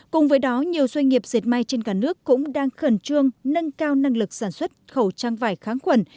cùng với đó nhiều doanh nghiệp diệt may trên cả nước cũng đang khẩn trương nâng cao năng lực sản xuất khẩu trang vải kháng khuẩn